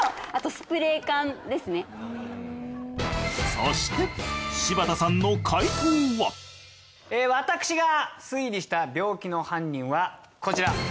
そして私が推理した病気の犯人はこちら。